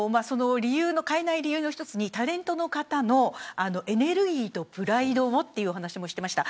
変えない理由の一つにタレントの方のエネルギーとプライドをという話もしていました。